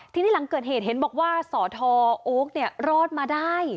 ที่นี่หลังเกิดเหตุเห็นบอกว่าสธโอ๊ครอดมาได้